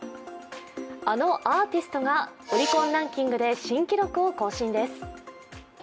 あのアーティストがオリコンランキングで新記録を更新です。